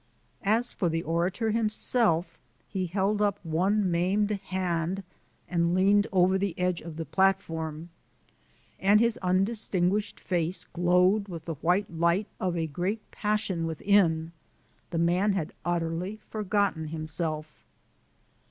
As for the orator himself, he held up one maimed hand and leaned over the edge of the platform, and his undistinguished face glowed with the white light of a great passion within. The man had utterly forgotten himself.